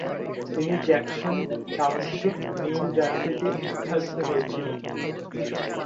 তিনি Jackson township, New জার্সিতে উত্থাপিত হয়েছিল।